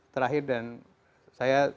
terakhir dan saya